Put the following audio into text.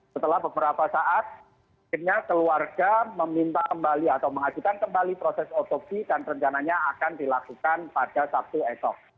setelah beberapa saat akhirnya keluarga meminta kembali atau mengajukan kembali proses otopsi dan rencananya akan dilakukan pada sabtu esok